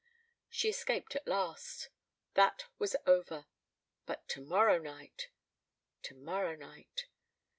She escaped at last. That was over. But tomorrow night! Tomorrow night.